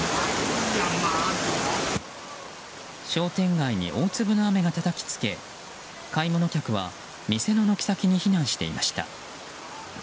商店街に大粒の雨がたたき付け買い物客は店の軒先に避難していました。